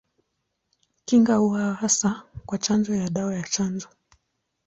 Kinga huwa hasa kwa chanjo ya dawa ya chanjo.